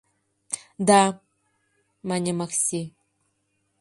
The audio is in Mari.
— Да, — мане Макси.